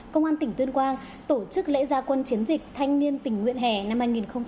công an tỉnh tuyên quang tổ chức lễ gia quân chiến dịch thanh niên tỉnh nguyện hẻ năm hai nghìn hai mươi